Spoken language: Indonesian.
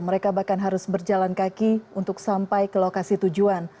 mereka bahkan harus berjalan kaki untuk sampai ke lokasi tujuan